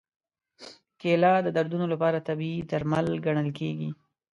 کېله د دردونو لپاره طبیعي درمل ګڼل کېږي.